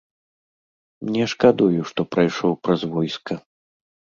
Не шкадую, што прайшоў праз войска.